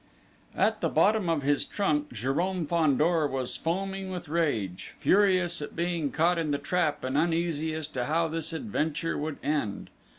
At the bottom of his trunk Jérôme Fandor was foaming with rage, furious at being caught in the trap and uneasy as to how this adventure would end.